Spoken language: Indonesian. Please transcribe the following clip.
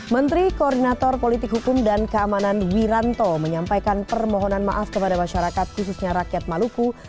menteri koordinator politik hukum dan keamanan wiranto menyampaikan permohonan maaf kepada masyarakat khususnya rakyat maluku